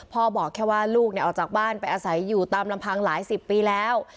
บอกแค่ว่าลูกออกจากบ้านไปอาศัยอยู่ตามลำพังหลายสิบปีแล้ว